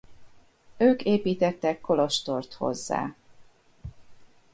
Ők építettek kolostort hozzá.